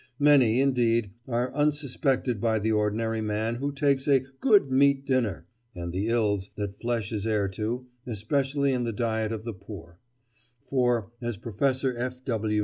Many, indeed, and unsuspected by the ordinary man who takes a "good meat dinner," are the ills that flesh is heir to, especially in the diet of the poor; for, as Professor F. W.